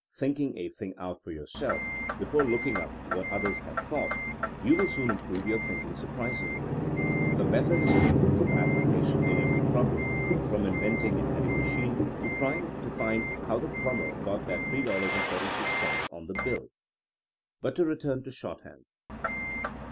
thinking a thing out for yourself be fore looking up what others have thought — ^you will soon improve your thinking surprisingly. The method is capable of application in every problem, from inventing an adding machine to trying to find how the plumber got that $3.46 on the bill. But to return to shorthand.